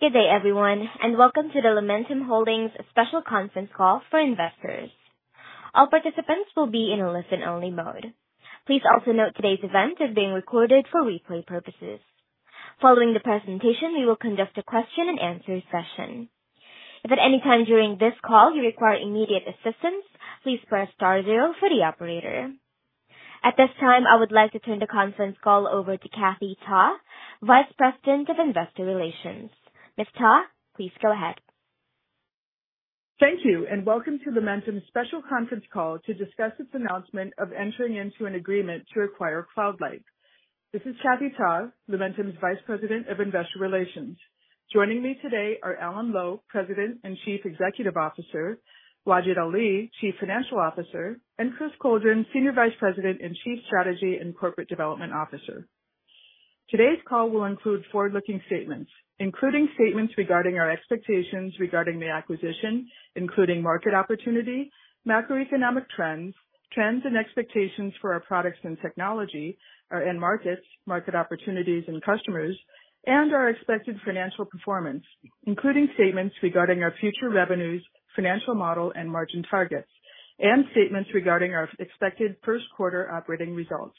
Good day, everyone, and welcome to the Lumentum Holdings Special Conference Call for Investors. All participants will be in a listen-only mode. Please also note today's event is being recorded for replay purposes. Following the presentation, we will conduct a question and answer session. If at any time during this call you require immediate assistance, please press star zero for the operator. At this time, I would like to turn the conference call over to Kathy Ta, Vice President of Investor Relations. Ms. Ta, please go ahead. Thank you, and welcome to Lumentum's special conference call to discuss its announcement of entering into an agreement to acquire Cloud Light. This is Kathy Ta, Lumentum's Vice President of Investor Relations. Joining me today are Alan Lowe, President and Chief Executive Officer; Wajid Ali, Chief Financial Officer; and Chris Coldren, Senior Vice President and Chief Strategy and Corporate Development Officer. Today's call will include forward-looking statements, including statements regarding our expectations regarding the acquisition, including market opportunity, macroeconomic trends, trends and expectations for our products and technology, and markets, market opportunities and customers, and our expected financial performance, including statements regarding our future revenues, financial model and margin targets, and statements regarding our expected Q1 operating results.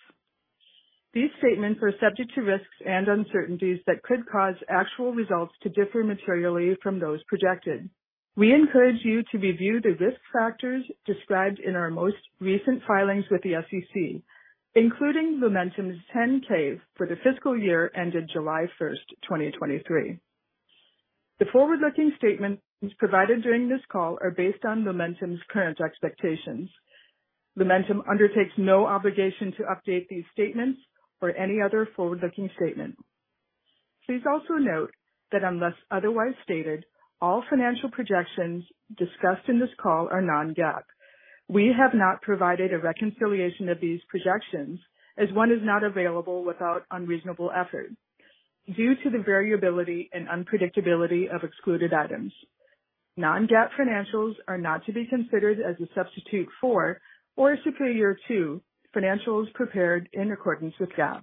These statements are subject to risks and uncertainties that could cause actual results to differ materially from those projected. We encourage you to review the risk factors described in our most recent filings with the SEC, including Lumentum's 10-K for the fiscal year ended July 1, 2023. The forward-looking statements provided during this call are based on Lumentum's current expectations. Lumentum undertakes no obligation to update these statements or any other forward-looking statement. Please also note that unless otherwise stated, all financial projections discussed in this call are non-GAAP. We have not provided a reconciliation of these projections, as one is not available without unreasonable effort due to the variability and unpredictability of excluded items. Non-GAAP financials are not to be considered as a substitute for or superior to financials prepared in accordance with GAAP.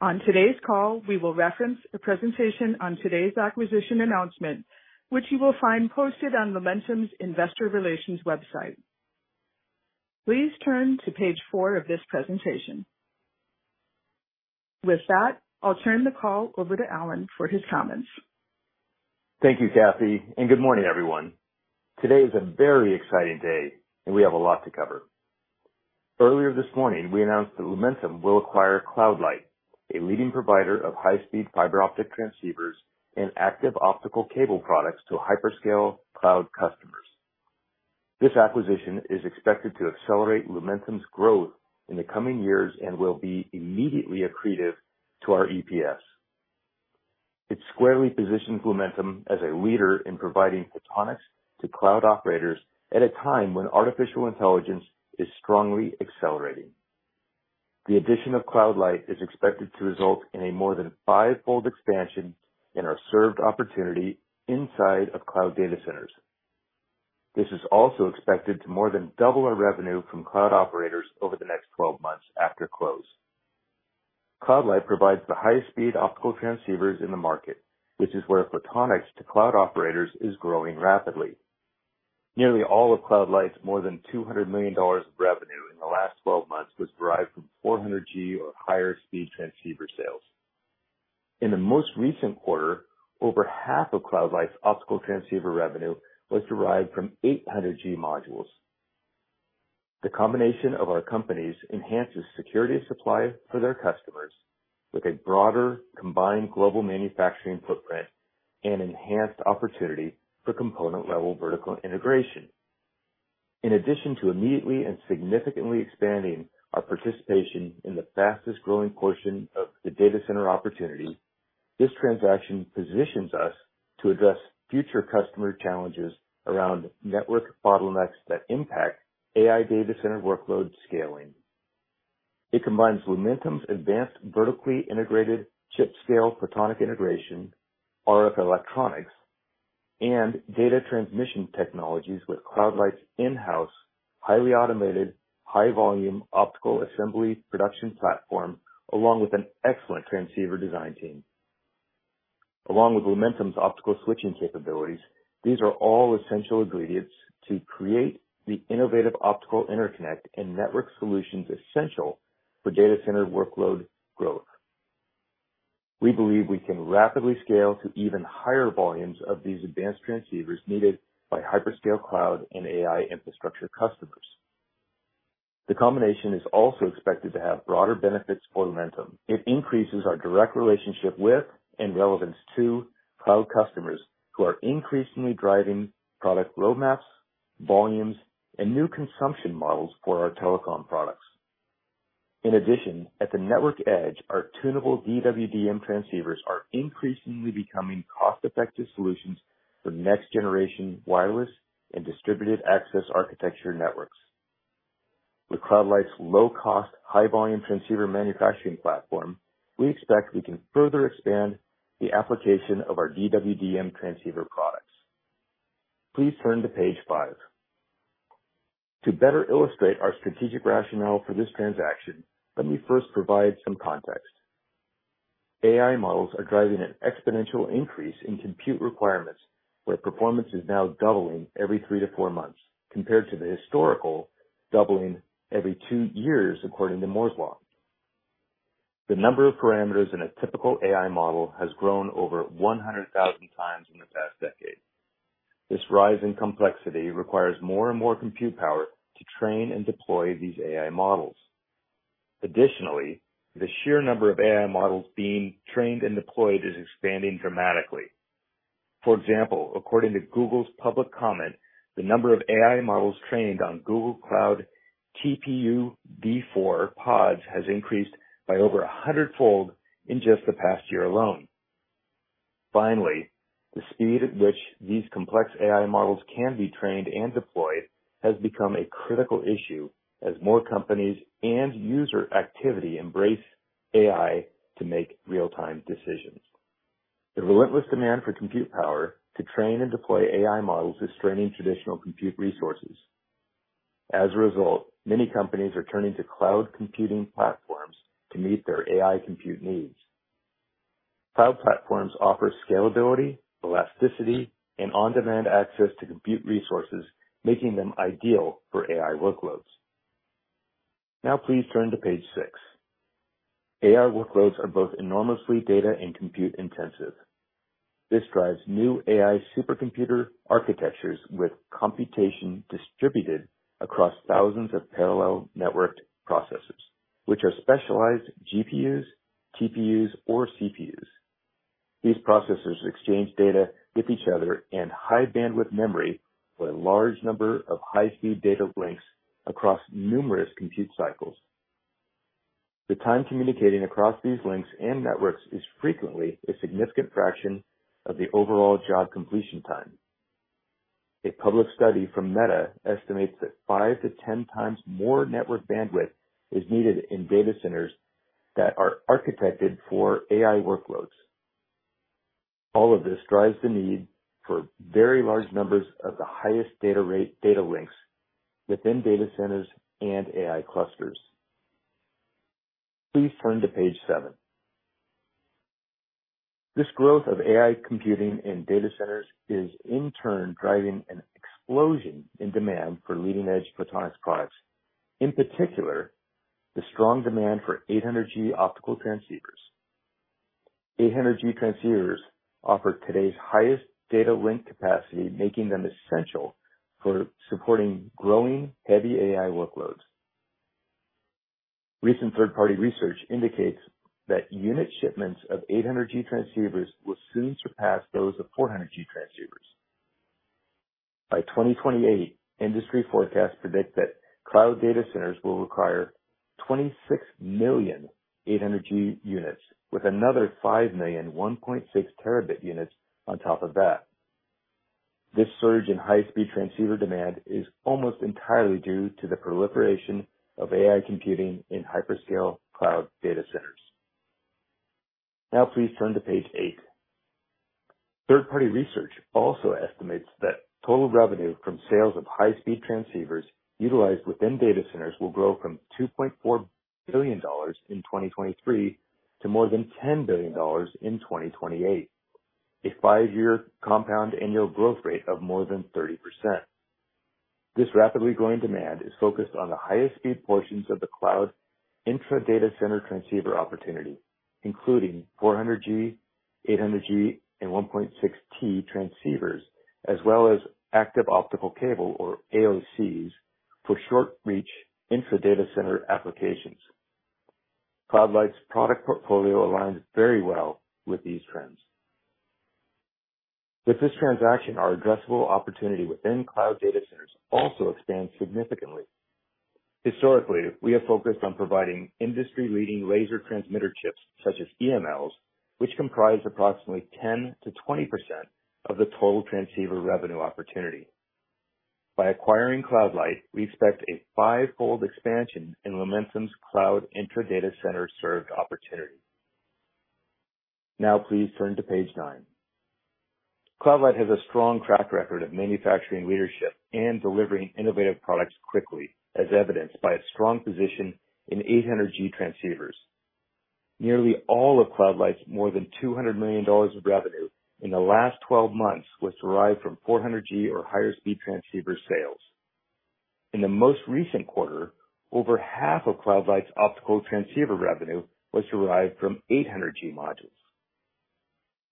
On today's call, we will reference a presentation on today's acquisition announcement, which you will find posted on Lumentum's Investor Relations website. Please turn to page 4 of this presentation. With that, I'll turn the call over to Alan for his comments. Thank you, Kathy, and good morning, everyone. Today is a very exciting day, and we have a lot to cover. Earlier this morning, we announced that Lumentum will acquire CloudLight, a leading provider of high-speed fiber optic transceivers and active optical cable products to hyperscale cloud customers. This acquisition is expected to accelerate Lumentum's growth in the coming years and will be immediately accretive to our EPS. It squarely positions Lumentum as a leader in providing photonics to cloud operators at a time when artificial intelligence is strongly accelerating. The addition of CloudLight is expected to result in a more than fivefold expansion in our served opportunity inside of cloud data centers. This is also expected to more than double our revenue from cloud operators over the next 12 months after close. Light provides the highest speed optical transceivers in the market, which is where photonics to cloud operators is growing rapidly. Nearly all of Cloud Light's more than $200 million of revenue in the last 12 months was derived from 400G or higher speed transceiver sales. In the most recent quarter, over half of Cloud Light's optical transceiver revenue was derived from 800G modules. The combination of our companies enhances security of supply for their customers with a broader, combined global manufacturing footprint and enhanced opportunity for component-level vertical integration. In addition to immediately and significantly expanding our participation in the fastest growing portion of the data center opportunity, this transaction positions us to address future customer challenges around network bottlenecks that impact AI data center workload scaling. It combines Lumentum's advanced, vertically integrated chip scale, photonic integration, RF electronics, and data transmission technologies with Cloud Light's in-house, highly automated, high-volume, optical assembly production platform, along with an excellent transceiver design team. Along with Lumentum's optical switching capabilities, these are all essential ingredients to create the innovative optical interconnect and network solutions essential for data center workload growth. We believe we can rapidly scale to even higher volumes of these advanced transceivers needed by hyperscale cloud and AI infrastructure customers. The combination is also expected to have broader benefits for Lumentum. It increases our direct relationship with and relevance to cloud customers, who are increasingly driving product roadmaps, volumes, and new consumption models for our telecom products. In addition, at the network edge, our tunable DWDM transceivers are increasingly becoming cost-effective solutions for next generation, wireless and distributed access architecture networks. With CloudLight's low cost, high volume transceiver manufacturing platform, we expect we can further expand the application of our DWDM transceiver products. Please turn to page 5. To better illustrate our strategic rationale for this transaction, let me first provide some context. AI models are driving an exponential increase in compute requirements, where performance is now doubling every 3-4 months, compared to the historical doubling every 2 years, according to Moore's Law. The number of parameters in a typical AI model has grown over 100,000 times in the past decade. This rise in complexity requires more and more compute power to train and deploy these AI models. Additionally, the sheer number of AI models being trained and deployed is expanding dramatically. For example, according to Google's public comment, the number of AI models trained on Google Cloud TPU v4 pods has increased by over a hundredfold in just the past year alone. Finally, the speed at which these complex AI models can be trained and deployed has become a critical issue as more companies and user activity embrace AI to make real-time decisions. The relentless demand for compute power to train and deploy AI models is straining traditional compute resources. As a result, many companies are turning to cloud computing platforms to meet their AI compute needs. Cloud platforms offer scalability, elasticity, and on-demand access to compute resources, making them ideal for AI workloads. Now, please turn to page 6. AI workloads are both enormously data and compute intensive. This drives new AI supercomputer architectures, with computation distributed across thousands of parallel networked processors, which are specialized GPUs, TPUs, or CPUs. These processors exchange data with each other and high bandwidth memory with a large number of high-speed data links across numerous compute cycles. The time communicating across these links and networks is frequently a significant fraction of the overall job completion time. A public study from Meta estimates that 5-10 times more network bandwidth is needed in data centers that are architected for AI workloads. All of this drives the need for very large numbers of the highest data rate data links within data centers and AI clusters. Please turn to page 7. This growth of AI computing in data centers is, in turn, driving an explosion in demand for leading-edge photonics products, in particular, the strong demand for 800G optical transceivers. 800G transceivers offer today's highest data link capacity, making them essential for supporting growing heavy AI workloads. Recent third-party research indicates that unit shipments of 800G transceivers will soon surpass those of 400G transceivers. By 2028, industry forecasts predict that cloud data centers will require 26 million 800G units, with another 5 million 1.6 terabit units on top of that. This surge in high speed transceiver demand is almost entirely due to the proliferation of AI computing in hyperscale cloud data centers. Now please turn to page 8. Third-party research also estimates that total revenue from sales of high-speed transceivers utilized within data centers will grow from $2.4 billion in 2023 to more than $10 billion in 2028, a 5-year compound annual growth rate of more than 30%. This rapidly growing demand is focused on the highest speed portions of the cloud intra-data center transceiver opportunity, including 400G, 800G, and 1.6T transceivers, as well as active optical cable, or AOCs, for short reach intra-data center applications. CloudLight's product portfolio aligns very well with these trends. With this transaction, our addressable opportunity within cloud data centers also expands significantly. Historically, we have focused on providing industry-leading laser transmitter chips, such as EMLs, which comprise approximately 10%-20% of the total transceiver revenue opportunity. By acquiring CloudLight, we expect a fivefold expansion in Lumentum's cloud intra-data center served opportunity. Now, please turn to page 9. CloudLight has a strong track record of manufacturing leadership and delivering innovative products quickly, as evidenced by a strong position in 800G transceivers. Nearly all of Cloud Light's more than $200 million of revenue in the last 12 months was derived from 400G or higher speed transceiver sales. In the most recent quarter, over half of Cloud Light's optical transceiver revenue was derived from 800G modules.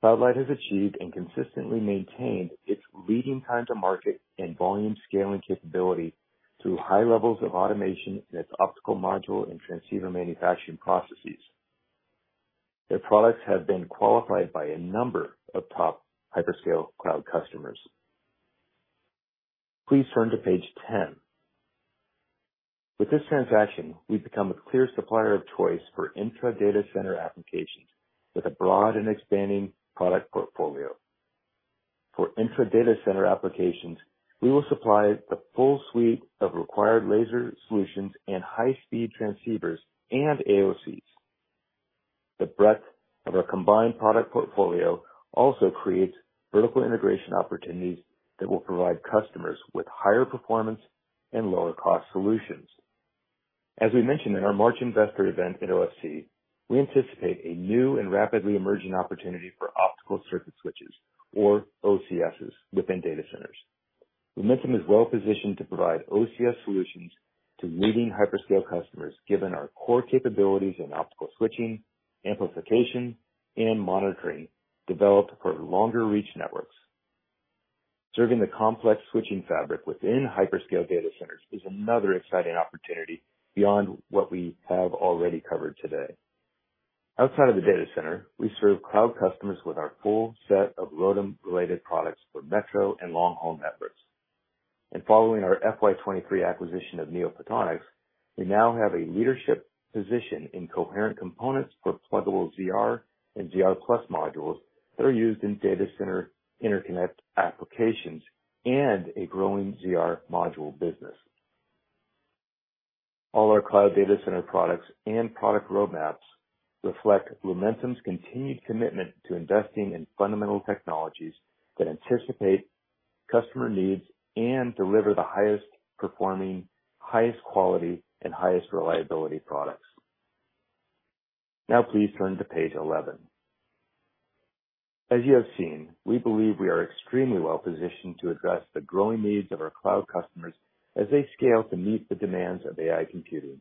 Cloud Light has achieved and consistently maintained its leading time to market and volume scaling capability through high levels of automation in its optical module and transceiver manufacturing processes. Their products have been qualified by a number of top hyperscale cloud customers. Please turn to page 10. With this transaction, we become a clear supplier of choice for intra-data center applications with a broad and expanding product portfolio. For intra-data center applications, we will supply the full suite of required laser solutions and high-speed transceivers and AOCs.... The breadth of our combined product portfolio also creates vertical integration opportunities that will provide customers with higher performance and lower cost solutions. As we mentioned in our March investor event at OFC, we anticipate a new and rapidly emerging opportunity for optical circuit switches, or OCSs, within data centers. Lumentum is well positioned to provide OCS solutions to leading hyperscale customers, given our core capabilities in optical switching, amplification, and monitoring developed for longer reach networks. Serving the complex switching fabric within hyperscale data centers is another exciting opportunity beyond what we have already covered today. Outside of the data center, we serve cloud customers with our full set of ROADM-related products for metro and long-haul networks. Following our FY 2023 acquisition of NeoPhotonics, we now have a leadership position in coherent components for pluggable ZR and ZR plus modules that are used in data center interconnect applications and a growing ZR module business. All our cloud data center products and product roadmaps reflect Lumentum's continued commitment to investing in fundamental technologies that anticipate customer needs and deliver the highest performing, highest quality, and highest reliability products. Now, please turn to page 11. As you have seen, we believe we are extremely well positioned to address the growing needs of our cloud customers as they scale to meet the demands of AI computing.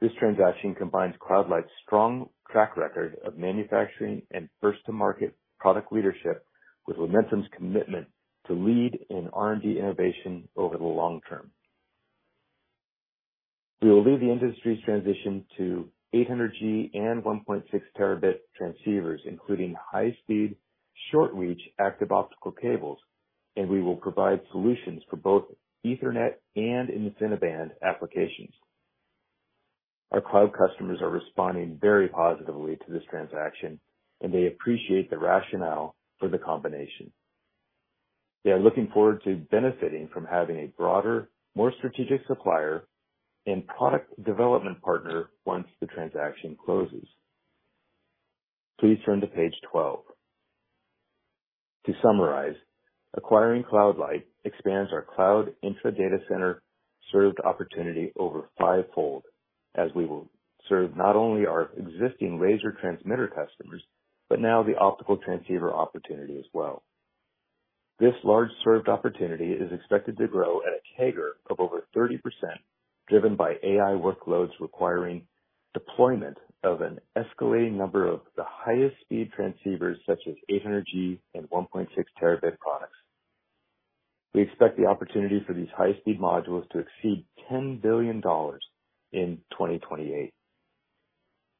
This transaction combines CloudLight's strong track record of manufacturing and first-to-market product leadership, with Lumentum's commitment to lead in R&D innovation over the long term. We will lead the industry's transition to 800G and 1.6 terabit transceivers, including high speed, short reach, active optical cables, and we will provide solutions for both Ethernet and InfiniBand applications. Our cloud customers are responding very positively to this transaction, and they appreciate the rationale for the combination. They are looking forward to benefiting from having a broader, more strategic supplier and product development partner once the transaction closes. Please turn to page 12. To summarize, acquiring CloudLight expands our cloud intra-data center served opportunity over fivefold, as we will serve not only our existing laser transmitter customers, but now the optical transceiver opportunity as well. This large served opportunity is expected to grow at a CAGR of over 30%, driven by AI workloads requiring deployment of an escalating number of the highest speed transceivers, such as 800G and 1.6 terabit products. We expect the opportunity for these high-speed modules to exceed $10 billion in 2028.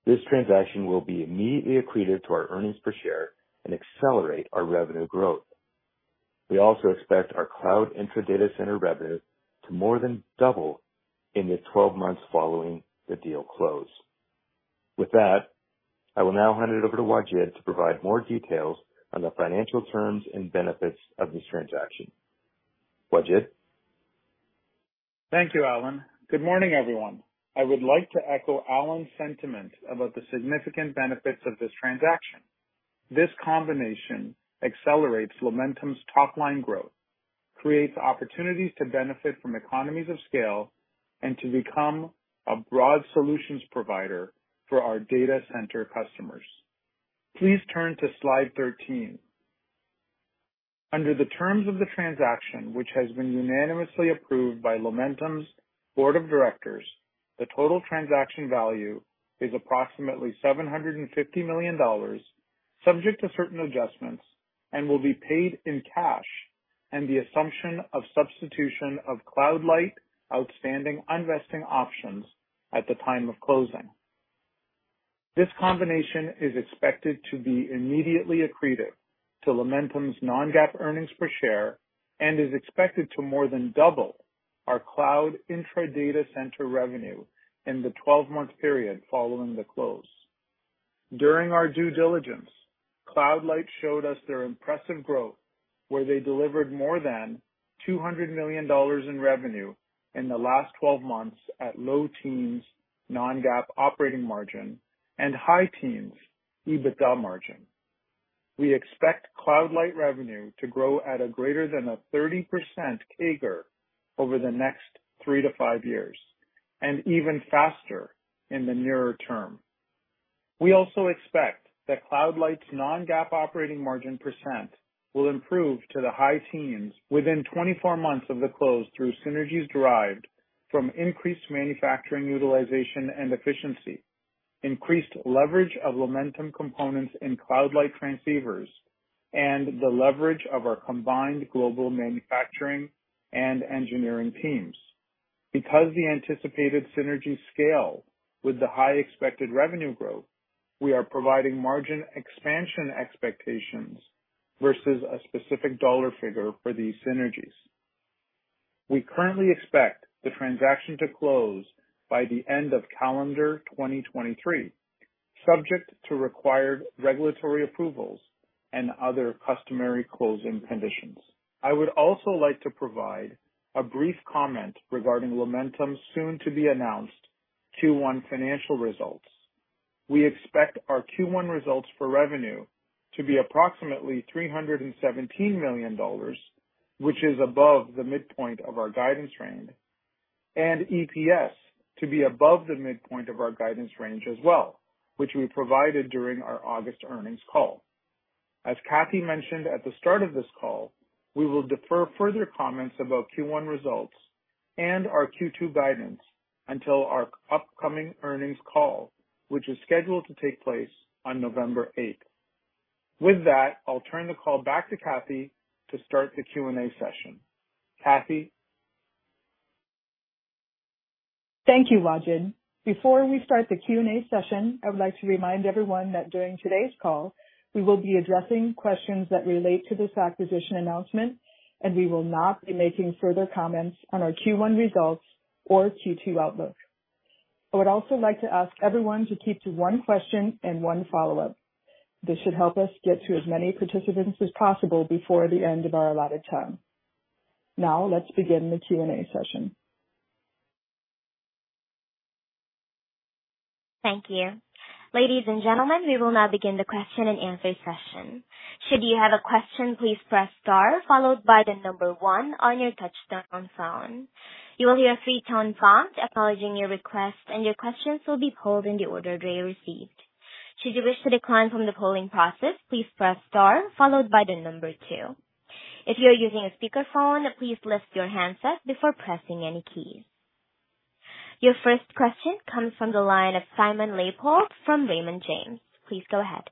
This transaction will be immediately accretive to our earnings per share and accelerate our revenue growth. We also expect our cloud intra-data center revenue to more than double in the 12 months following the deal close. With that, I will now hand it over to Wajid to provide more details on the financial terms and benefits of this transaction. Wajid? Thank you, Alan. Good morning, everyone. I would like to echo Alan's sentiment about the significant benefits of this transaction. This combination accelerates Lumentum's top line growth, creates opportunities to benefit from economies of scale, and to become a broad solutions provider for our data center customers. Please turn to slide 13. Under the terms of the transaction, which has been unanimously approved by Lumentum's board of directors, the total transaction value is approximately $750 million, subject to certain adjustments, and will be paid in cash, and the assumption of substitution of Cloud Light outstanding unvested options at the time of closing. This combination is expected to be immediately accretive to Lumentum's non-GAAP earnings per share, and is expected to more than double our cloud intra-data center revenue in the 12-month period following the close. During our due diligence, CloudLight showed us their impressive growth, where they delivered more than $200 million in revenue in the last 12 months at low teens non-GAAP operating margin, and high teens EBITDA margin. We expect CloudLight revenue to grow at a greater than 30% CAGR over the next 3-5 years, and even faster in the nearer term. We also expect that CloudLight's non-GAAP operating margin percent will improve to the high teens within 24 months of the close, through synergies derived from increased manufacturing, utilization, and efficiency, increased leverage of Lumentum components in CloudLight transceivers, and the leverage of our combined global manufacturing and engineering teams. Because the anticipated synergies scale with the high expected revenue growth, we are providing margin expansion expectations versus a specific dollar figure for these synergies. We currently expect the transaction to close by the end of calendar 2023, subject to required regulatory approvals... and other customary closing conditions. I would also like to provide a brief comment regarding Lumentum's soon to be announced Q1 financial results. We expect our Q1 results for revenue to be approximately $317 million, which is above the midpoint of our guidance range, and EPS to be above the midpoint of our guidance range as well, which we provided during our August earnings call. As Kathy mentioned at the start of this call, we will defer further comments about Q1 results and our Q2 guidance until our upcoming earnings call, which is scheduled to take place on November 8. With that, I'll turn the call back to Kathy to start the Q&A session. Kathy? Thank you, Wajid. Before we start the Q&A session, I would like to remind everyone that during today's call, we will be addressing questions that relate to this acquisition announcement, and we will not be making further comments on our Q1 results or Q2 outlook. I would also like to ask everyone to keep to one question and one follow-up. This should help us get to as many participants as possible before the end of our allotted time. Now, let's begin the Q&A session. Thank you. Ladies and gentlemen, we will now begin the question and answer session. Should you have a question, please press star followed by the number one on your touchtone phone. You will hear a three-tone prompt acknowledging your request, and your questions will be polled in the order they are received. Should you wish to decline from the polling process, please press star followed by the number two. If you're using a speakerphone, please lift your handset before pressing any keys. Your first question comes from the line of Simon Leopold from Raymond James. Please go ahead.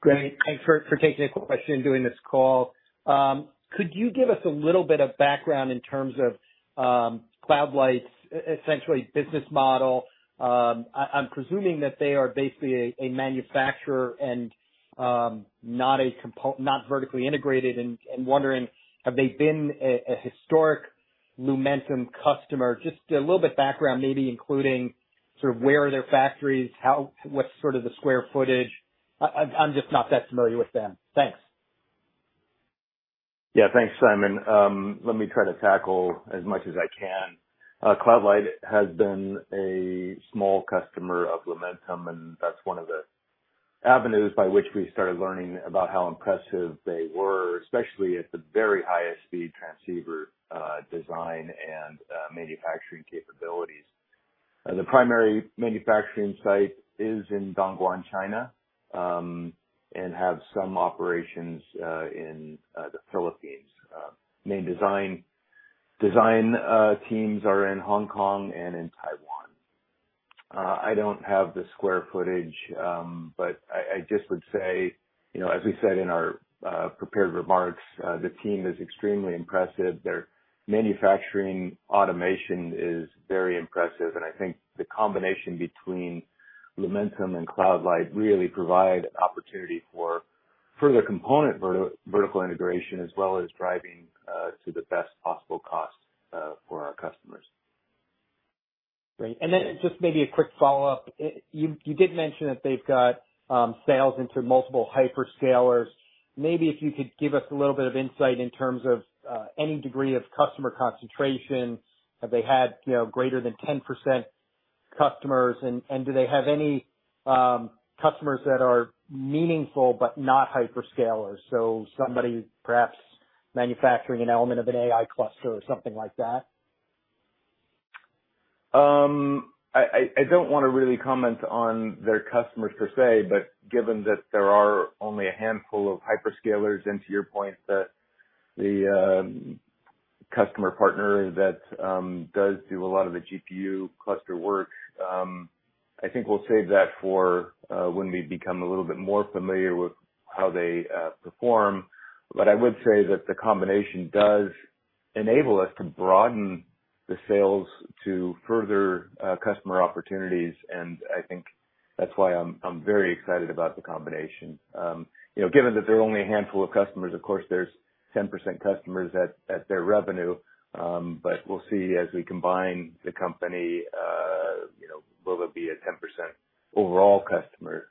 Great. Thanks for taking a question during this call. Could you give us a little bit of background in terms of Cloud Light's essentially business model? I'm presuming that they are basically a manufacturer and not vertically integrated and wondering, have they been a historic Lumentum customer? Just a little bit background, maybe including sort of where are their factories, how—what's sort of the square footage? I'm just not that familiar with them. Thanks. Yeah. Thanks, Simon. Let me try to tackle as much as I can. Cloud Light has been a small customer of Lumentum, and that's one of the avenues by which we started learning about how impressive they were, especially at the very highest speed transceiver design and manufacturing capabilities. The primary manufacturing site is in Dongguan, China, and have some operations in the Philippines. Main design teams are in Hong Kong and in Taiwan. I don't have the square footage, but I just would say, you know, as we said in our prepared remarks, the team is extremely impressive. Their manufacturing automation is very impressive, and I think the combination between Lumentum and Cloud Light really provide an opportunity for further component vertical integration, as well as driving to the best possible cost for our customers. Great. And then just maybe a quick follow-up. You did mention that they've got sales into multiple hyperscalers. Maybe if you could give us a little bit of insight in terms of any degree of customer concentration. Have they had, you know, greater than 10% customers, and do they have any customers that are meaningful but not hyperscalers? So somebody perhaps manufacturing an element of an AI cluster or something like that. I don't want to really comment on their customers per se, but given that there are only a handful of hyperscalers, and to your point, the customer partner that does do a lot of the GPU cluster work, I think we'll save that for when we become a little bit more familiar with how they perform. But I would say that the combination does enable us to broaden the sales to further customer opportunities, and I think that's why I'm very excited about the combination. You know, given that there are only a handful of customers, of course, there's 10% customers at their revenue, but we'll see as we combine the company, you know, will it be a 10% overall customer?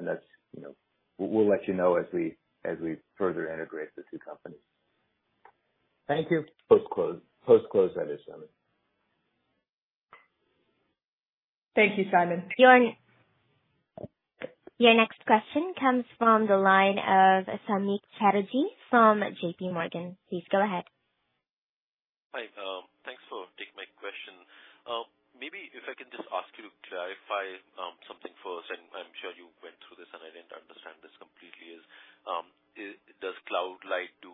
That's, you know, we'll let you know as we further integrate the two companies. Thank you. Post-close. Post-close, that is, Simon. Thank you, Simon. Your next question comes from the line of Samik Chatterjee from JP Morgan. Please go ahead. Hi. Thanks for taking my question. Maybe if I can just ask you to clarify something first, and I'm sure you went through this, and I didn't understand this completely, is, does CloudLight do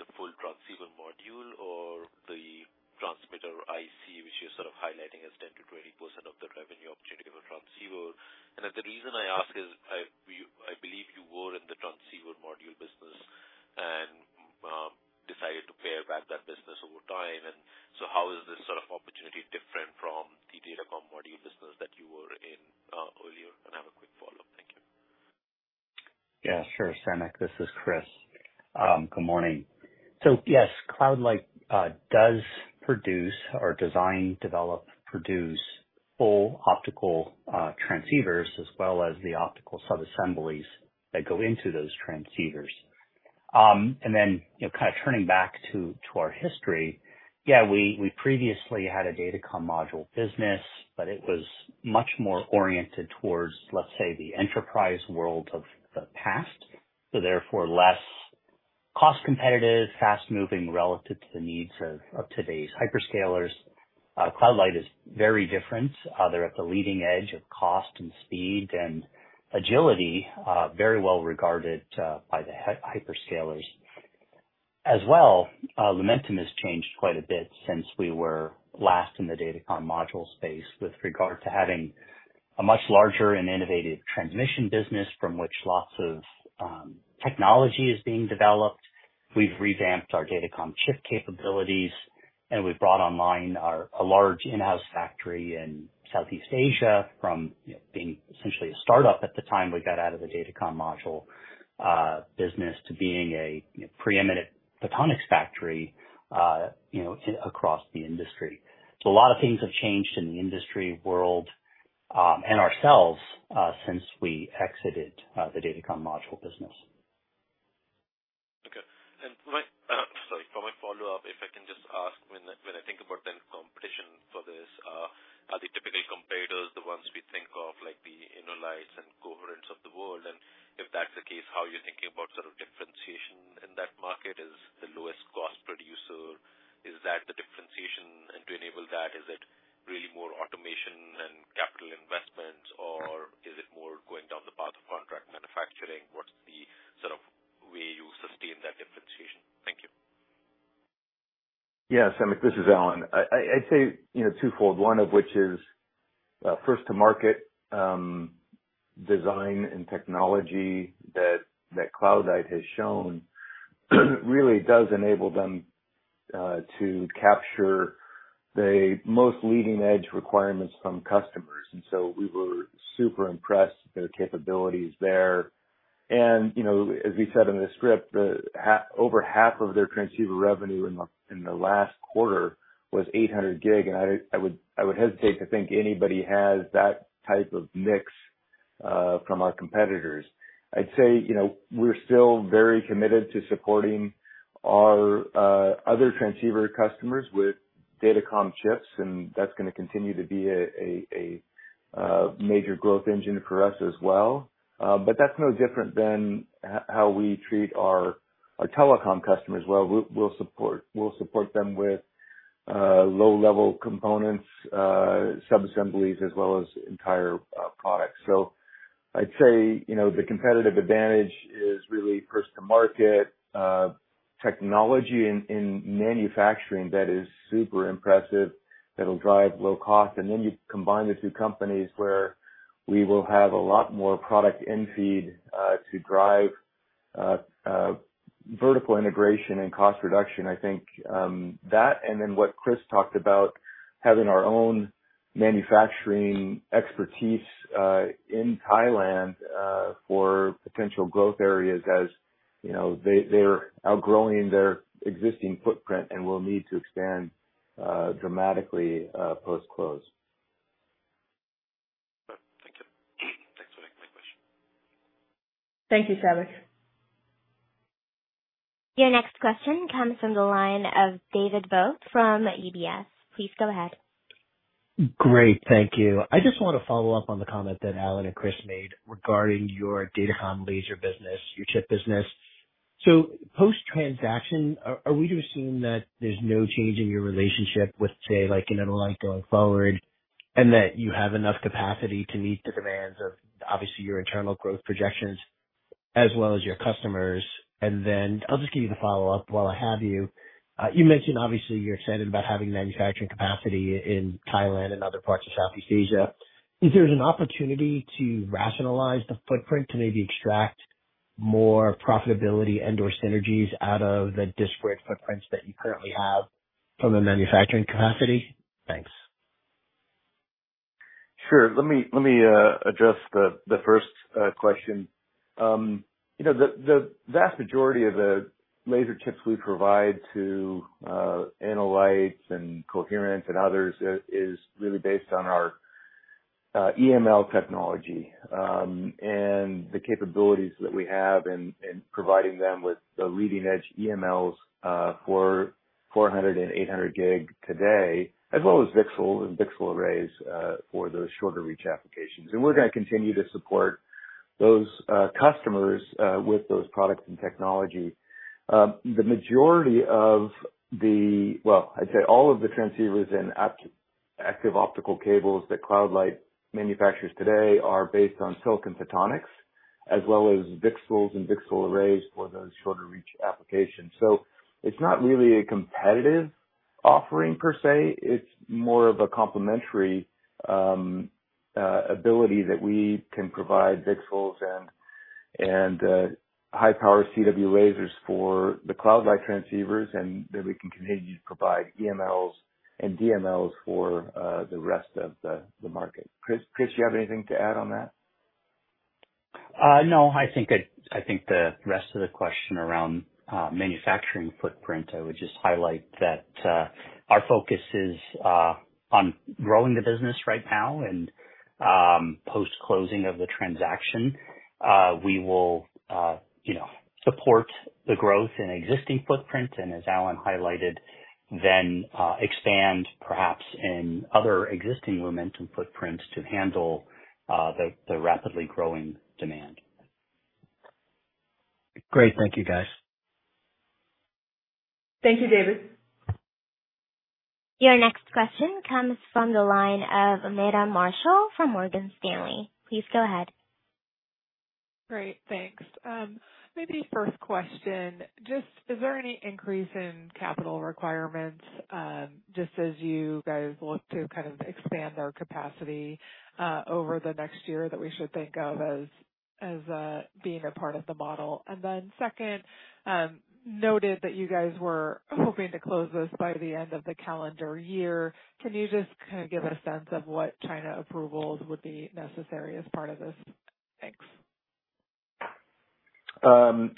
the full transceiver module or the transmitter IC, which you're sort of highlighting as 10%-20% of the revenue opportunity of a transceiver? And the reason I ask is I believe you were in the transceiver module business and decided to pare back that business over time. And so how is this sort of opportunity different from the datacom module business that you were in earlier? And I have a quick follow-up. Thank you. Yeah, sure, Samik, this is Chris.... good morning. So yes, Cloud Light does produce or design, develop, produce full optical transceivers as well as the optical subassemblies that go into those transceivers. And then, you know, kind of turning back to our history, yeah, we previously had a datacom module business, but it was much more oriented towards, let's say, the enterprise world of the past. So therefore, less cost competitive, fast moving relative to the needs of today's hyperscalers. Cloud Light is very different. They're at the leading edge of cost and speed and agility, very well regarded by the hyperscalers. As well, Lumentum has changed quite a bit since we were last in the datacom module space, with regard to having a much larger and innovative transmission business from which lots of technology is being developed. We've revamped our datacom chip capabilities, and we've brought online our large in-house factory in Southeast Asia from, you know, being essentially a startup at the time we got out of the datacom module business, to being a, you know, preeminent photonics factory, you know, across the industry. So a lot of things have changed in the industry world, and ourselves, since we exited the datacom module business. Okay. And my, sorry, for my follow-up, if I can just ask when I, when I think about the competition for this, are the typical competitors, the ones we think of like the InnoLight and Coherent of the world, and if that's the case, how are you thinking about sort of differentiation in that market? Is the lowest cost producer, is that the differentiation? And to enable that, is it really more automation and capital investment, or is it more going down the path of contract manufacturing? What's the sort of way you sustain that differentiation? Thank you. Yes, Samik, this is Alan. I'd say, you know, twofold, one of which is first to market design and technology that CloudLight has shown really does enable them to capture the most leading-edge requirements from customers. And so we were super impressed with their capabilities there. And, you know, as we said in the script, over half of their transceiver revenue in the last quarter was 800 gig, and I would hesitate to think anybody has that type of mix from our competitors. I'd say, you know, we're still very committed to supporting our other transceiver customers with datacom chips, and that's gonna continue to be a major growth engine for us as well. But that's no different than how we treat our telecom customers. Well, we'll support them with low level components, subassemblies, as well as entire products. So I'd say, you know, the competitive advantage is really first to market technology in manufacturing that is super impressive, that'll drive low cost. And then you combine the two companies, where we will have a lot more product in-feed to drive vertical integration and cost reduction. I think that, and then what Chris talked about, having our own manufacturing expertise in Thailand for potential growth areas, as you know, they, they're outgrowing their existing footprint and will need to expand dramatically post-close. Thank you. Thanks for taking my question. Thank you, Samik. Your next question comes from the line of David Vogt from UBS. Please go ahead. Great. Thank you. I just want to follow up on the comment that Alan and Chris made regarding your datacom laser business, your chip business. So post-transaction, are we to assume that there's no change in your relationship with, say, like InnoLight going forward, and that you have enough capacity to meet the demands of obviously your internal growth projections as well as your customers? And then I'll just give you the follow-up while I have you. You mentioned obviously you're excited about having manufacturing capacity in Thailand and other parts of Southeast Asia. Is there an opportunity to rationalize the footprint, to maybe extract more profitability and/or synergies out of the disparate footprints that you currently have from a manufacturing capacity? Thanks. Sure. Let me address the first question. You know, the vast majority of the laser chips we provide to InnoLight and Coherent and others is really based on our EML technology. And the capabilities that we have in providing them with the leading edge EMLs for 400- and 800-gig today, as well as VCSEL and VCSEL arrays for those shorter reach applications. And we're gonna continue to support those customers with those products and technology. The majority of the... Well, I'd say all of the transceivers and active optical cables that CloudLight manufactures today are based on silicon photonics, as well as VCSELs and VCSEL arrays for those shorter reach applications. So it's not really a competitive offering per se. It's more of a complementary ability that we can provide VCSELs and high power CW lasers for the CloudLight transceivers, and then we can continue to provide EMLs and DMLs for the rest of the market. Chris, you have anything to add on that?... No, I think I, I think the rest of the question around manufacturing footprint, I would just highlight that, our focus is on growing the business right now and, post-closing of the transaction, we will, you know, support the growth in existing footprint and as Alan highlighted, then expand perhaps in other existing Lumentum footprints to handle the rapidly growing demand. Great. Thank you, guys. Thank you, David. Your next question comes from the line of Meta Marshall from Morgan Stanley. Please go ahead. Great, thanks. Maybe first question, just is there any increase in capital requirements, just as you guys look to kind of expand our capacity, over the next year, that we should think of as being a part of the model? And then second, noted that you guys were hoping to close this by the end of the calendar year. Can you just kind of give a sense of what China approvals would be necessary as part of this? Thanks.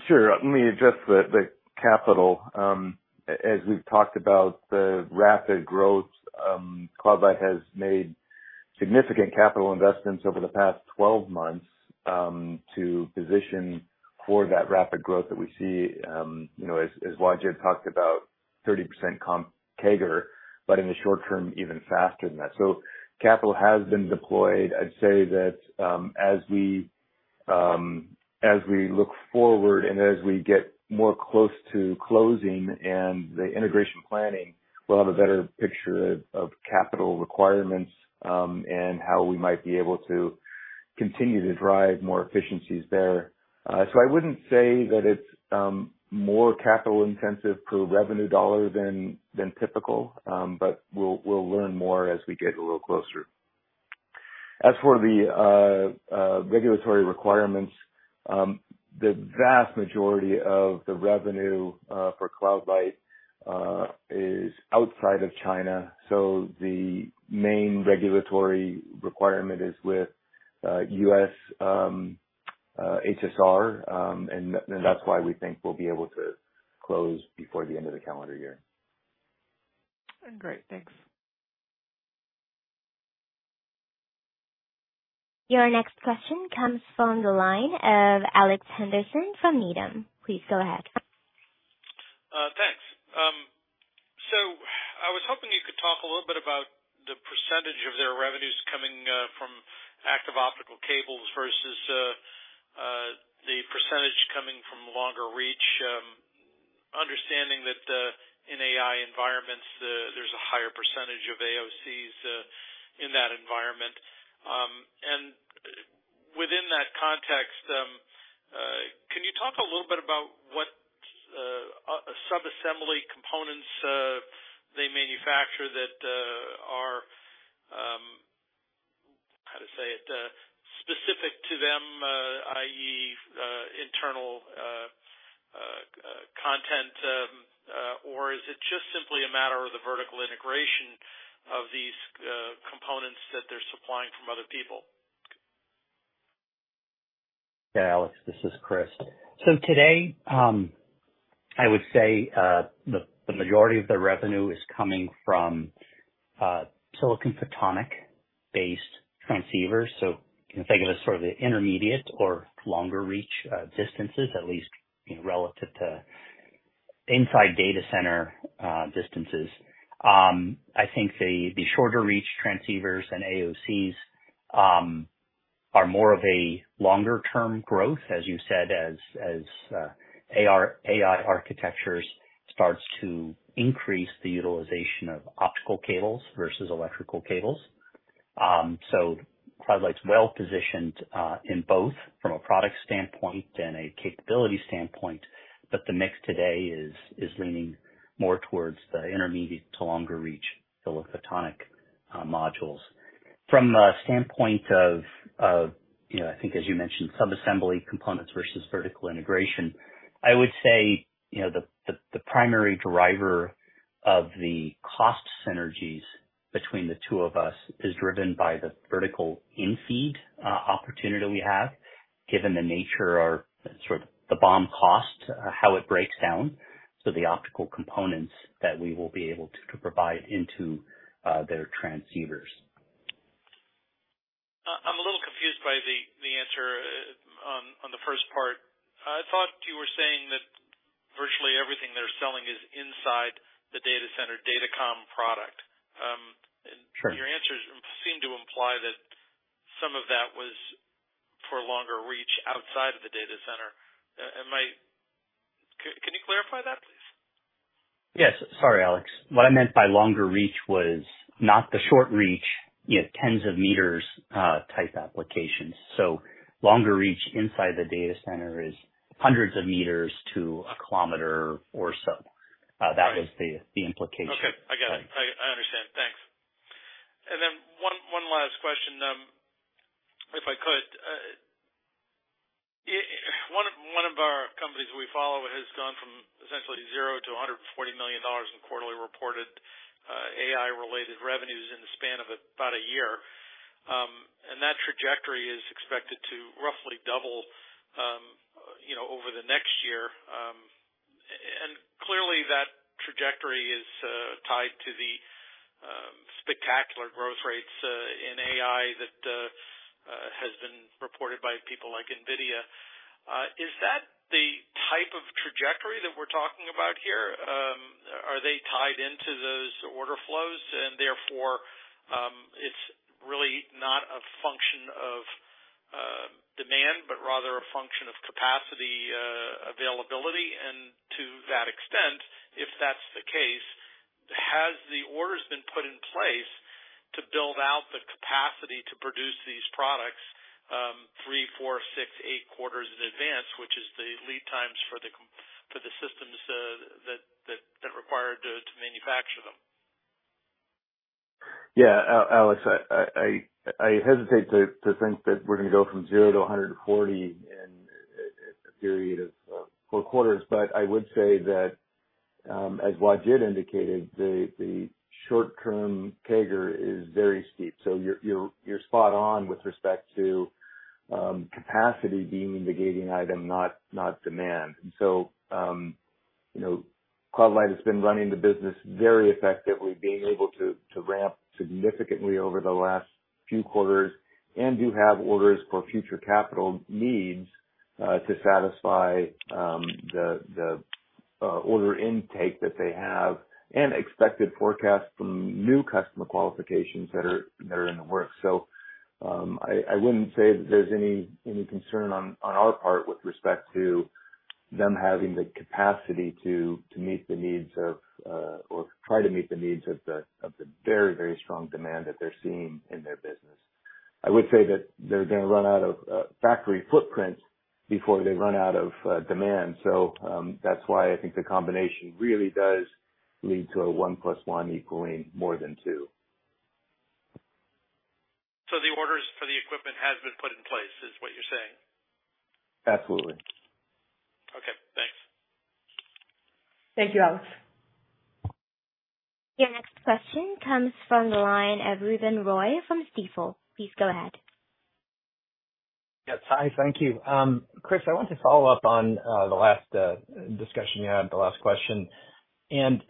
Sure. Let me address the capital. As we've talked about the rapid growth, CloudLight has made significant capital investments over the past 12 months to position for that rapid growth that we see. You know, as Wajid talked about 30% comp CAGR, but in the short term, even faster than that. So capital has been deployed. I'd say that, as we look forward and as we get more close to closing and the integration planning, we'll have a better picture of capital requirements and how we might be able to continue to drive more efficiencies there. So I wouldn't say that it's more capital intensive per revenue dollar than typical. But we'll learn more as we get a little closer. As for the regulatory requirements, the vast majority of the revenue for Cloud Light is outside of China, so the main regulatory requirement is with U.S. HSR, and that's why we think we'll be able to close before the end of the calendar year. Great. Thanks. Your next question comes from the line of Alex Henderson from Needham. Please go ahead. Thanks. So I was hoping you could talk a little bit about the percentage of their revenues coming from active optical cables versus the percentage coming from longer reach. Understanding that in AI environments there's a higher percentage of AOCs in that environment. Within that context, can you talk a little bit about what sub-assembly components they manufacture that are how to say it specific to them, i.e., internal content, or is it just simply a matter of the vertical integration of these components that they're supplying from other people? Yeah, Alex, this is Chris. So today, I would say, the majority of the revenue is coming from silicon photonics-based transceivers. So you can think of it as sort of the intermediate or longer reach distances at least, you know, relative to inside data center distances. I think the shorter reach transceivers and AOCs are more of a longer term growth, as you said, as AI architectures starts to increase the utilization of optical cables versus electrical cables. So CloudLight's well positioned in both from a product standpoint and a capability standpoint, but the mix today is leaning more towards the intermediate to longer reach silicon photonics modules. From a standpoint of, you know, I think as you mentioned, sub-assembly components versus vertical integration, I would say, you know, the primary driver of the cost synergies between the two of us is driven by the vertical in-feed opportunity we have, given the nature or sort of the BOM cost, how it breaks down, so the optical components that we will be able to provide into their transceivers. I'm a little confused by the answer on the first part. I thought you were saying that virtually everything they're selling is inside the data center datacom product. Sure. your answers seem to imply that some of that was for longer reach outside of the data center. Am I correct? Can you clarify that, please? Yes. Sorry, Alex. What I meant by longer reach was not the short reach, you know, tens of meters, type applications. So longer reach inside the data center is hundreds of meters to a kilometer or so. Right. That was the implication. Okay. I got it. I understand. Thanks. And then one last question, if I could. Yeah, one of our companies we follow has gone from essentially zero to $140 million in quarterly reported AI related revenues in the span of about a year. And that trajectory is expected to roughly double, you know, over the next year. And clearly, that trajectory is tied to the spectacular growth rates in AI that has been reported by people like NVIDIA. Is that the type of trajectory that we're talking about here? Are they tied into those order flows and therefore, it's really not a function of demand, but rather a function of capacity availability? To that extent, if that's the case, has the orders been put in place to build out the capacity to produce these products 3, 4, 6, 8 quarters in advance, which is the lead times for the systems that require to manufacture them? Yeah, Alex, I hesitate to think that we're gonna go from zero to 140 in a period of four quarters. But I would say that, as Wajid indicated, the short term CAGR is very steep, so you're spot on with respect to capacity being the gating item, not demand. And so, you know, CloudLight has been running the business very effectively, being able to ramp significantly over the last few quarters and do have orders for future capital needs to satisfy the order intake that they have and expected forecasts from new customer qualifications that are in the works. So, I wouldn't say that there's any concern on our part with respect to them having the capacity to meet the needs of, or try to meet the needs of the very, very strong demand that they're seeing in their business. I would say that they're gonna run out of factory footprint before they run out of demand. So, that's why I think the combination really does lead to a 1 + 1 equaling more than 2. So the orders for the equipment has been put in place, is what you're saying? Absolutely. Okay, thanks. Thank you, Alex. Your next question comes from the line of Ruben Roy from Stifel. Please go ahead. Yes, hi. Thank you. Chris, I want to follow up on the last discussion you had, the last question. And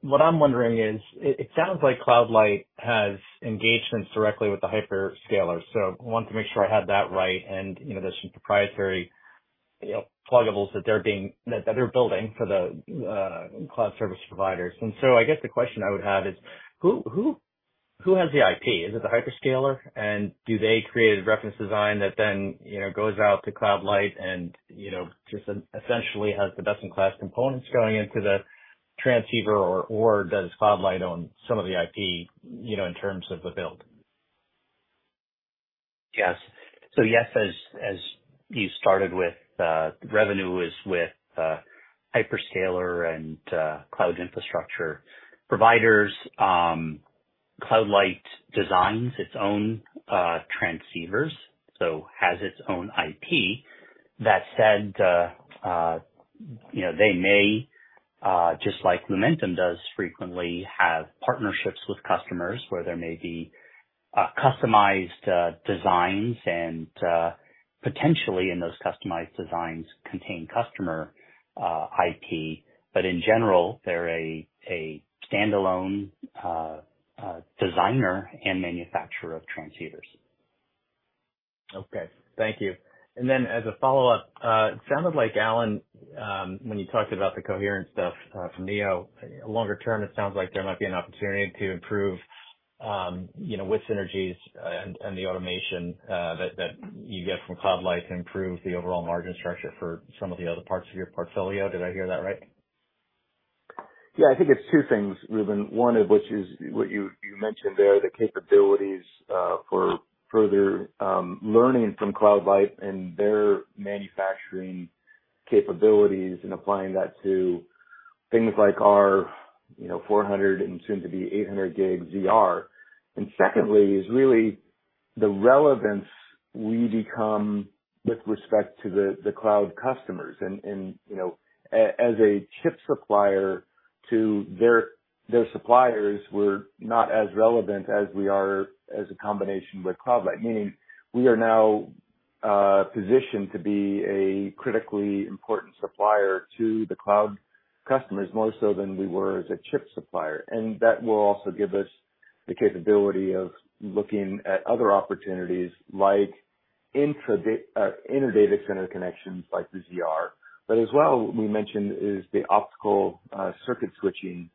what I'm wondering is, it sounds like CloudLight has engagements directly with the hyperscalers, so I wanted to make sure I had that right. And, you know, there's some proprietary, you know, pluggables that they're building for the cloud service providers. And so I guess the question I would have is who has the IP? Is it the hyperscaler? And do they create a reference design that then, you know, goes out to CloudLight and, you know, just, essentially has the best-in-class components going into the transceiver? Or does CloudLight own some of the IP, you know, in terms of the build? Yes. So, yes, as you started with, revenue is with hyperscaler and cloud infrastructure providers. CloudLight designs its own transceivers, so has its own IP. That said, you know, they may just like Lumentum does frequently have partnerships with customers where there may be customized designs and potentially in those customized designs contain customer IP. But in general, they're a standalone designer and manufacturer of transceivers. Okay. Thank you. And then as a follow-up, it sounded like, Alan, when you talked about the coherent stuff, from Neo, longer term, it sounds like there might be an opportunity to improve, you know, with synergies and, and the automation, that, that you get from CloudLight to improve the overall margin structure for some of the other parts of your portfolio. Did I hear that right? Yeah, I think it's two things, Ruben. One of which is what you mentioned there, the capabilities for further learning from CloudLight and their manufacturing capabilities, and applying that to things like our, you know, 400 and soon to be 800 gig ZR. And secondly, is really the relevance we become with respect to the cloud customers. And, you know, as a chip supplier to their suppliers, we're not as relevant as we are as a combination with CloudLight. Meaning we are now positioned to be a critically important supplier to the cloud customers, more so than we were as a chip supplier. And that will also give us the capability of looking at other opportunities like intra-data center connections like the ZR. But as well, we mentioned is the optical circuit switching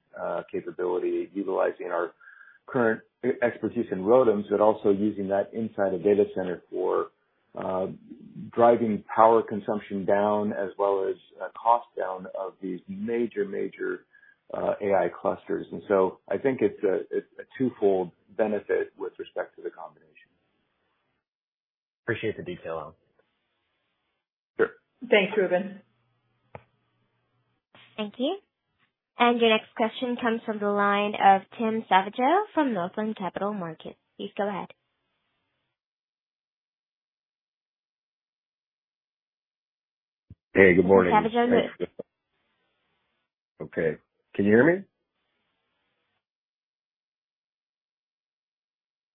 capability, utilizing our current expertise in ROADMs, but also using that inside a data center for driving power consumption down as well as cost down of these major, major AI clusters. And so I think it's a twofold benefit with respect to the combination. Appreciate the detail, Alan. Sure. Thanks, Ruben.... Thank you. And your next question comes from the line of Tim Savageaux from Northland Capital Markets. Please go ahead. Hey, good morning. Savageaux. Okay. Can you hear me?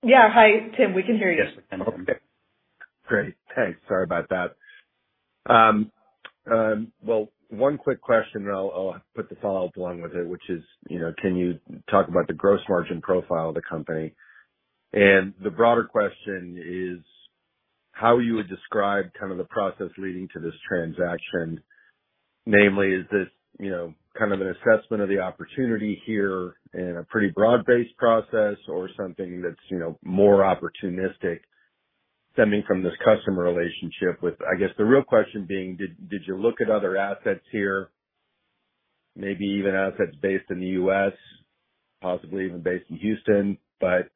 Yeah. Hi, Tim. We can hear you. Yes. Okay, great. Thanks. Sorry about that. Well, one quick question, and I'll put the follow-up along with it, which is, you know, can you talk about the gross margin profile of the company? And the broader question is how you would describe kind of the process leading to this transaction. Namely, is this, you know, kind of an assessment of the opportunity here in a pretty broad-based process or something that's, you know, more opportunistic stemming from this customer relationship with... I guess the real question being did you look at other assets here? Maybe even assets based in the U.S., possibly even based in Houston. But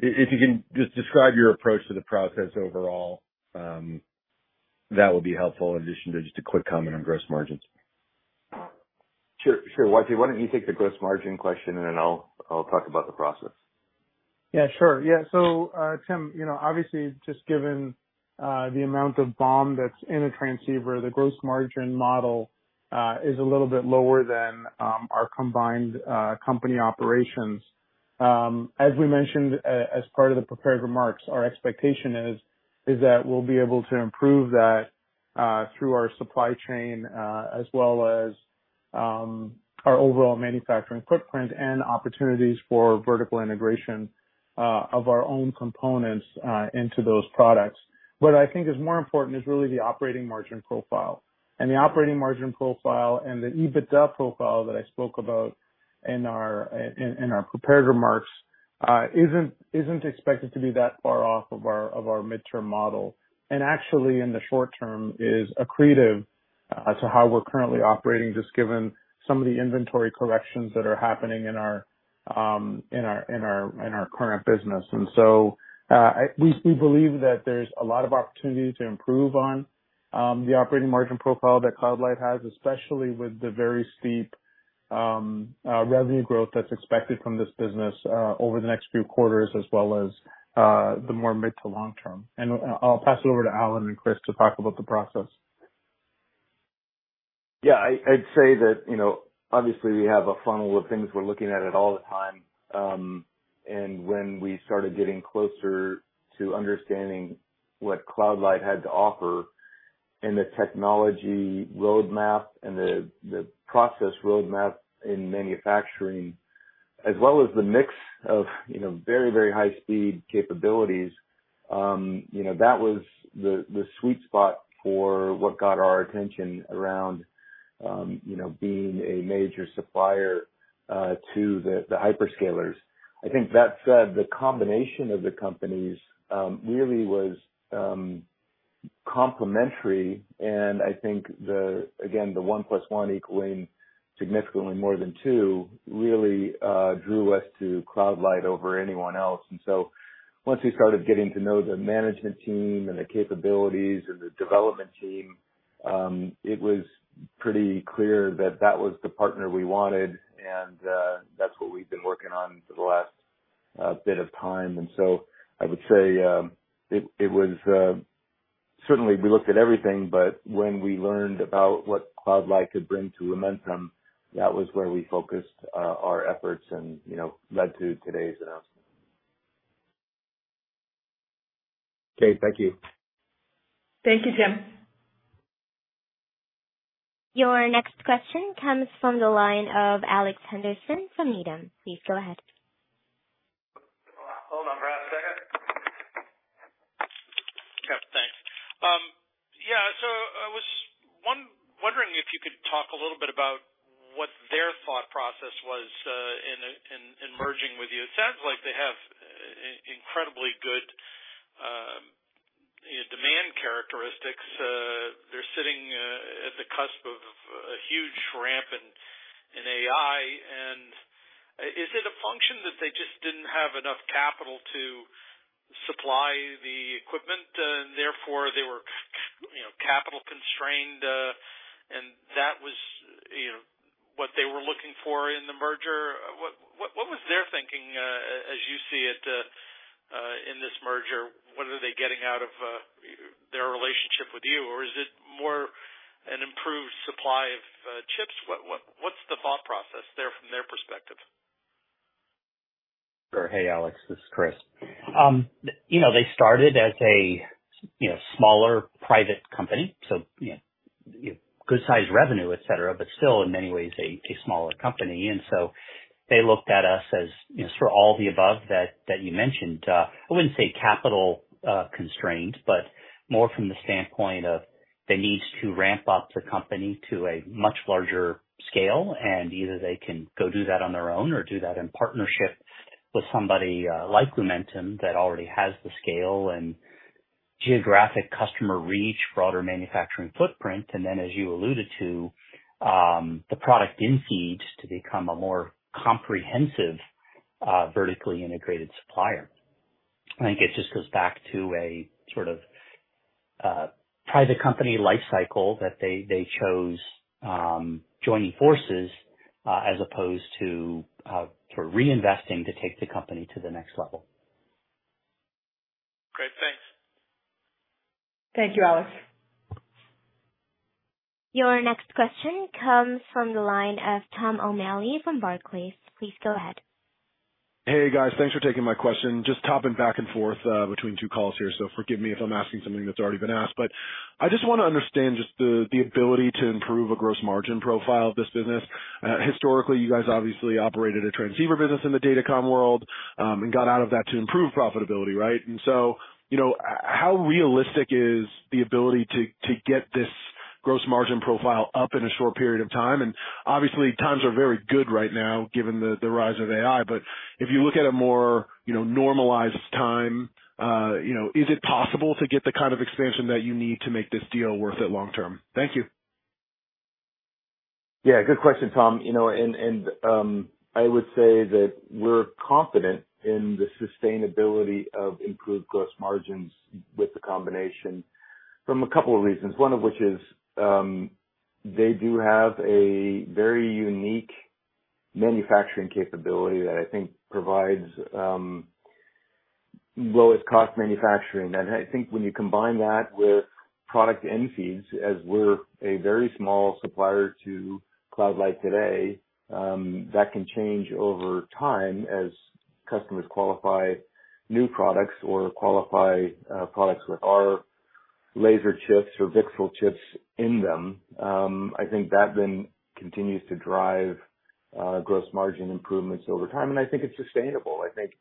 if you can just describe your approach to the process overall, that would be helpful, in addition to just a quick comment on gross margins. Sure, sure. Wajid, why don't you take the gross margin question, and then I'll, I'll talk about the process. Yeah, sure. Yeah. So, Tim, you know, obviously, just given the amount of BOM that's in a transceiver, the gross margin model is a little bit lower than our combined company operations. As we mentioned, as part of the prepared remarks, our expectation is that we'll be able to improve that through our supply chain as well as our overall manufacturing footprint and opportunities for vertical integration of our own components into those products. What I think is more important is really the operating margin profile. The operating margin profile and the EBITDA profile that I spoke about in our prepared remarks isn't expected to be that far off of our midterm model, and actually, in the short term, is accretive to how we're currently operating, just given some of the inventory corrections that are happening in our current business. And so, we believe that there's a lot of opportunity to improve on the operating margin profile that CloudLight has, especially with the very steep revenue growth that's expected from this business over the next few quarters, as well as the more mid to long term. And I'll pass it over to Alan and Chris to talk about the process. Yeah, I'd say that, you know, obviously, we have a funnel of things we're looking at all the time. I mean, when we started getting closer to understanding what Cloud Light had to offer in the technology roadmap and the process roadmap in manufacturing, as well as the mix of, you know, very, very high speed capabilities, you know, that was the sweet spot for what got our attention around, you know, being a major supplier to the hyperscalers. I think that said, the combination of the companies really was complimentary, and I think the, again, the one plus one equaling significantly more than two really drew us to Cloud Light over anyone else. Once we started getting to know the management team and the capabilities and the development team, it was pretty clear that that was the partner we wanted, and that's what we've been working on for the last bit of time. I would say it was certainly we looked at everything, but when we learned about what CloudLight could bring to Lumentum, that was where we focused our efforts and, you know, led to today's announcement. Okay, thank you. Thank you, Tim. Your next question comes from the line of Alex Henderson from Needham. Please go ahead. Hold on for a second. Yeah, thanks. Yeah, so I was wondering if you could talk a little bit about what their thought process was in merging with you. It sounds like they have incredibly good demand characteristics. They're sitting at the cusp of a huge ramp in AI. And is it a function that they just didn't have enough capital to supply the equipment, and therefore they were, you know, capital constrained, and that was, you know, what they were looking for in the merger? What was their thinking as you see it in this merger? What are they getting out of their relationship with you, or is it more an improved supply of chips? What's the thought process there from their perspective? Sure. Hey, Alex, this is Chris. You know, they started as a, you know, smaller private company, so, you know, good sized revenue, et cetera, but still in many ways, a smaller company. And so they looked at us as, you know, for all the above that you mentioned. I wouldn't say capital constrained, but more from the standpoint of the needs to ramp up their company to a much larger scale. And either they can go do that on their own or do that in partnership with somebody like Lumentum, that already has the scale and geographic customer reach, broader manufacturing footprint. And then, as you alluded to, the product in feed to become a more comprehensive, vertically integrated supplier. I think it just goes back to a sort of-... Private company life cycle that they, they chose, joining forces, as opposed to, to reinvesting to take the company to the next level. Great, thanks. Thank you, Alex. Your next question comes from the line of Tom O'Malley from Barclays. Please go ahead. Hey, guys. Thanks for taking my question. Just hopping back and forth between two calls here, so forgive me if I'm asking something that's already been asked, but I just wanna understand just the, the ability to improve a gross margin profile of this business. Historically, you guys obviously operated a transceiver business in the Datacom world, and got out of that to improve profitability, right? You know, how realistic is the ability to, to get this gross margin profile up in a short period of time? Obviously, times are very good right now, given the, the rise of AI. If you look at a more, you know, normalized time, you know, is it possible to get the kind of expansion that you need to make this deal worth it long term? Thank you. Yeah, good question, Tom. You know, I would say that we're confident in the sustainability of improved gross margins with the combination for a couple of reasons. One of which is, they do have a very unique manufacturing capability that I think provides lowest cost manufacturing. I think when you combine that with product end feeds, as we're a very small supplier to Cloud Light today, that can change over time as customers qualify new products or qualify products with our laser chips or VCSEL chips in them. I think that then continues to drive gross margin improvements over time, and I think it's sustainable. I think,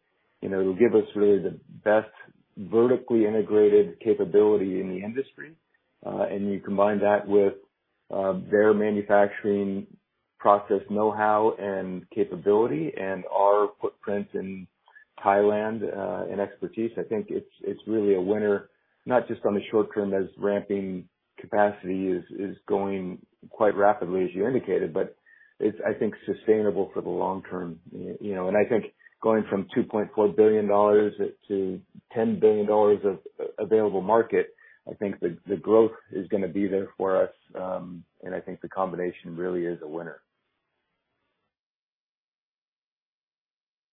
you know, it'll give us really the best vertically integrated capability in the industry. And you combine that with their manufacturing process know-how and capability and our footprint in Thailand, and expertise. I think it's really a winner, not just on the short term, as ramping capacity is going quite rapidly, as you indicated, but it's, I think, sustainable for the long term. You know, and I think going from $2.4 billion to $10 billion of available market, I think the growth is gonna be there for us. I think the combination really is a winner.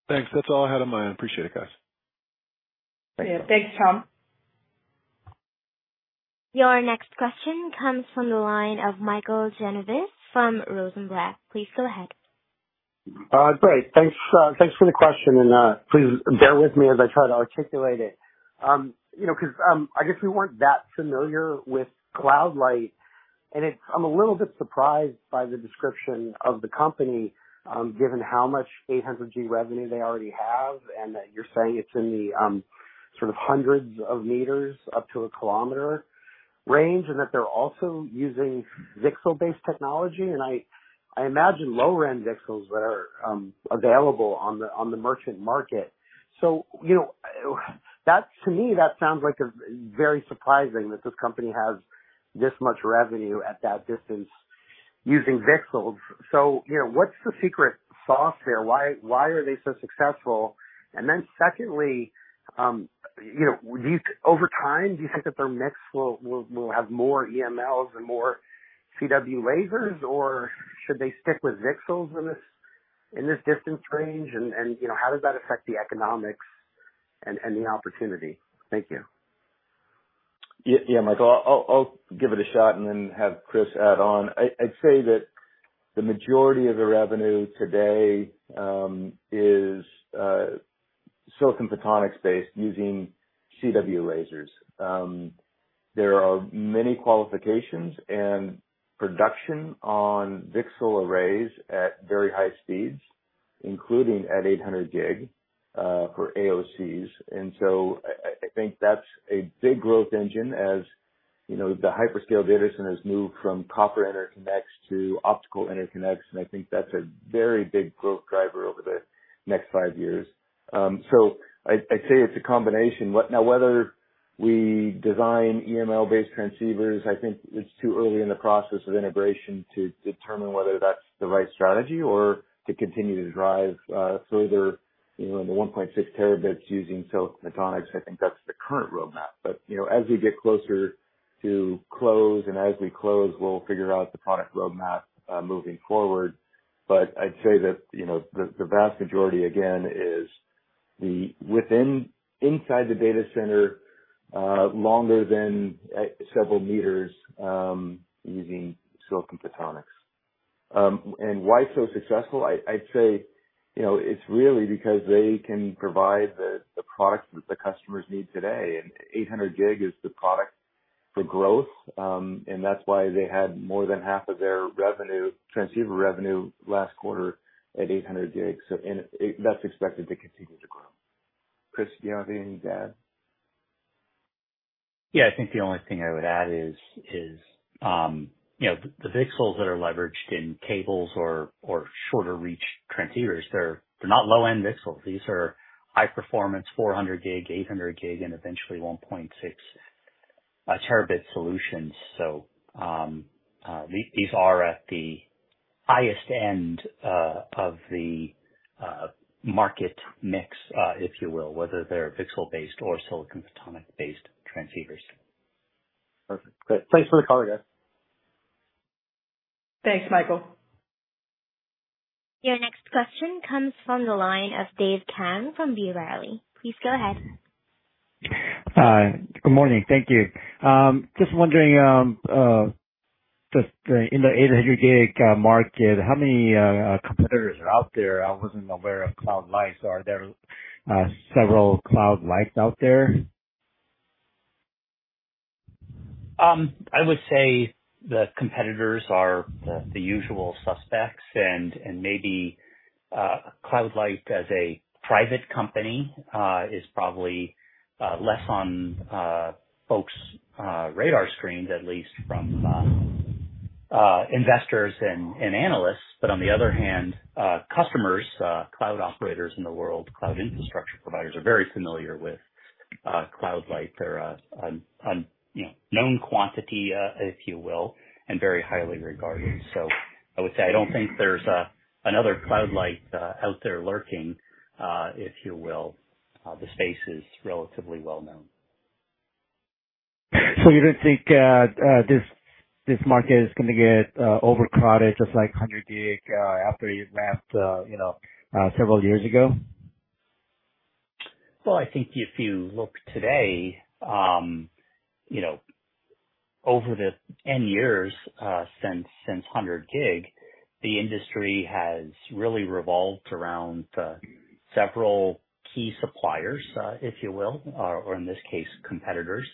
Thanks. That's all I had in mind. I appreciate it, guys. Yeah. Thanks, Tom. Your next question comes from the line of Michael Genovese from Rosenblatt. Please go ahead. Great. Thanks, thanks for the question, and please bear with me as I try to articulate it. You know, 'cause I guess we weren't that familiar with Cloud Light, and it's -- I'm a little bit surprised by the description of the company, given how much 800G revenue they already have, and that you're saying it's in the sort of hundreds of meters up to a kilometer range, and that they're also using VCSEL-based technology. I imagine low-end VCSELs that are available on the merchant market. You know, that -- to me, that sounds like a very surprising that this company has this much revenue at that distance using VCSELs. You know, what's the secret sauce here? Why, why are they so successful? And then secondly, you know, do you, over time, do you think that their mix will have more EMLs and more CW lasers, or should they stick with VCSELs in this distance range? And you know, how does that affect the economics and the opportunity? Thank you. Yeah, yeah, Michael, I'll give it a shot and then have Chris add on. I'd say that the majority of the revenue today is silicon photonics based using CW lasers. There are many qualifications and production on VCSEL arrays at very high speeds, including at 800 gig for AOCs. I think that's a big growth engine, as you know, the hyperscale data center has moved from copper interconnects to optical interconnects, and I think that's a very big growth driver over the next five years. I'd say it's a combination. Now, whether we design EML-based transceivers, I think it's too early in the process of integration to determine whether that's the right strategy or to continue to drive further, you know, in the 1.6 terabits using silicon photonics. I think that's the current roadmap. You know, as we get closer to close and as we close, we'll figure out the product roadmap, moving forward. I'd say that, you know, the vast majority, again, is within, inside the data center, longer than several meters, using silicon photonics. You know, why so successful? I'd say, you know, it's really because they can provide the products that the customers need today. 800G is the product for growth, and that's why they had more than half of their revenue, transceiver revenue last quarter at eight hundred gigs. That's expected to continue to grow. Chris, do you have anything to add? Yeah, I think the only thing I would add is, you know, the VCSELs that are leveraged in cables or, or shorter reach transceivers, they're, they're not low-end VCSELs. These are high-performance, 400G, 800 gig, and eventually 1.6 terabit solutions. These are at the highest end of the market mix, if you will, whether they're VCSEL-based or silicon photonic-based transceivers. Perfect. Great. Thanks for the color, guys. Thanks, Michael. Your next question comes from the line of Dave Kang from B. Riley. Please go ahead. Good morning. Thank you. Just wondering, just in the 800 gig market, how many competitors are out there? I wasn't aware of Cloud Light. So are there several Cloud Lights out there? I would say the competitors are the usual suspects and maybe CloudLight as a private company is probably less on folks' radar screens, at least from investors and analysts. But on the other hand, customers, cloud operators in the world, cloud infrastructure providers are very familiar with CloudLight. They're a known quantity, you know, if you will, and very highly regarded. So I would say, I don't think there's another CloudLight out there lurking, if you will. The space is relatively well known. You don't think this market is gonna get overcrowded, just like 100G, after you've left, you know, several years ago? Well, I think if you look today, you know, over the many years since 100G the industry has really revolved around several key suppliers, if you will, or in this case, competitors.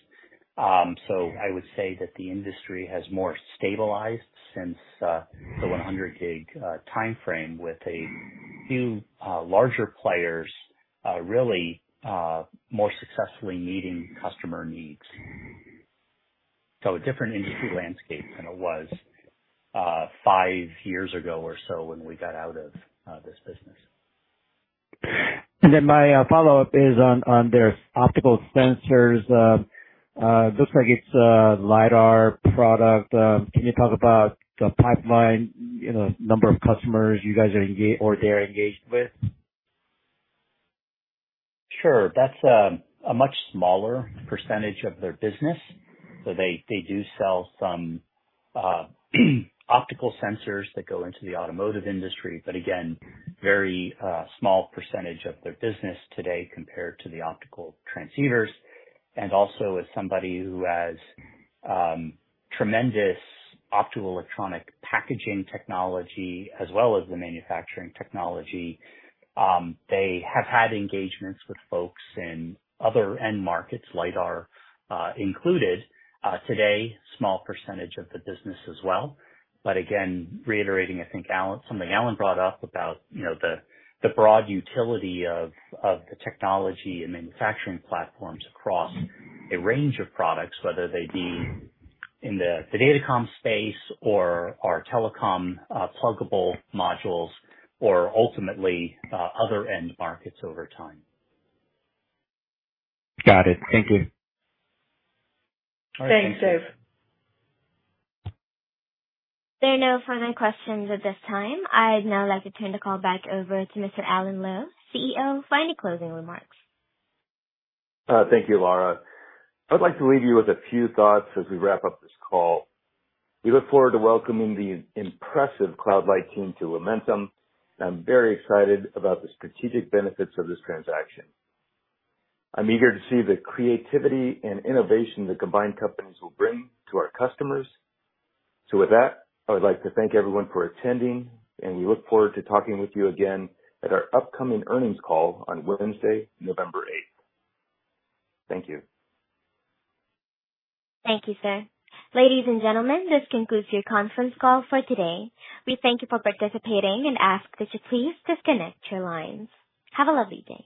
So I would say that the industry has more stabilized since the 100G timeframe with a few larger players really more successfully meeting customer needs. So a different industry landscape than it was five years ago or so when we got out of this business. My follow-up is on their optical sensors. Looks like it's a LIDAR product. Can you talk about the pipeline, you know, number of customers you guys are engaged or they're engaged with? Sure. That's a much smaller percentage of their business. So they do sell some optical sensors that go into the automotive industry, but again, very small percentage of their business today compared to the optical transceivers. And also as somebody who has tremendous optoelectronic packaging technology, as well as the manufacturing technology, they have had engagements with folks in other end markets, LIDAR included. Today, small percentage of the business as well. But again, reiterating, I think, Alan, something Alan brought up about, you know, the broad utility of the technology and manufacturing platforms across a range of products, whether they be in the datacom space or our telecom pluggable modules or ultimately other end markets over time. Got it. Thank you. Thanks, Dave. There are no further questions at this time. I'd now like to turn the call back over to Mr. Alan Lowe, CEO, for any closing remarks. Thank you, Laura. I'd like to leave you with a few thoughts as we wrap up this call. We look forward to welcoming the impressive Cloud Light team to Lumentum, and I'm very excited about the strategic benefits of this transaction. I'm eager to see the creativity and innovation the combined companies will bring to our customers. With that, I would like to thank everyone for attending, and we look forward to talking with you again at our upcoming earnings call on Wednesday, November 8th. Thank you. Thank you, sir. Ladies and gentlemen, this concludes your conference call for today. We thank you for participating and ask that you please disconnect your lines. Have a lovely day.